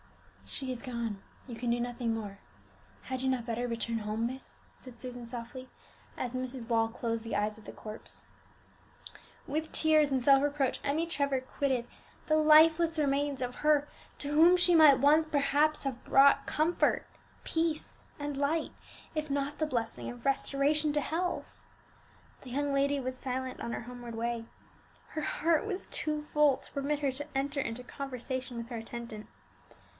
"She is gone; you can do nothing more. Had you not better return home, miss?" said Susan softly, as Mrs. Wall closed the eyes of the corpse. With tears and self reproach Emmie Trevor quitted the lifeless remains of her to whom she might once perhaps have brought comfort, peace, and light, if not the blessing of restoration to health. The young lady was silent on her homeward way; her heart was too full to permit her to enter into conversation with her attendant.